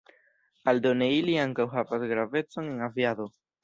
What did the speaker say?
Aldone ili ankaŭ havas gravecon en aviado.